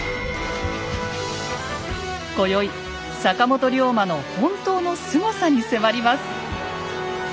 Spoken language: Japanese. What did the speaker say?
今宵坂本龍馬の本当のすごさに迫ります。